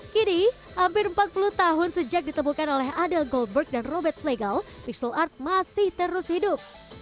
kini hampir empat puluh tahun sejak ditemukan oleh adel goldberg dan robert flegal fisle art masih terus hidup